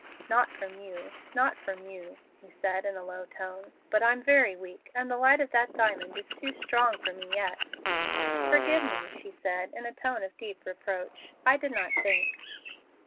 "Not from you, not from you," he said, in a low tone, "but I'm very weak, and the light of that diamond is too strong for me yet." "Forgive me," she said, in a tone of deep reproach; "I did not think."